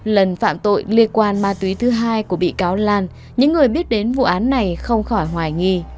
lần phạm tội liên quan ma túy thứ hai của bị cáo lan những người biết đến vụ án này không khỏi hoài nghi